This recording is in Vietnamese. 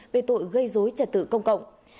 về tội gây dối trả tự công cộng